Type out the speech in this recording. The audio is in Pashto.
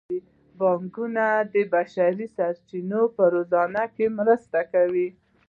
بانکونه د بشري سرچینو په روزنه کې مرسته کوي.